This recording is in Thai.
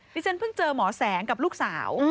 ที่ฉันเพิ่งเจอหมอแสงกับลูกสาว